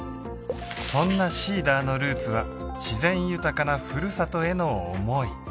そんなＳｅｅｄｅｒのルーツは自然豊かなふるさとへの思い